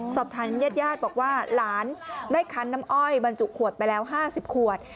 สอบถามญาติญาติบอกว่าหลานได้คันน้ำอ้อยบรรจุขวดไปแล้ว๕๐ขวด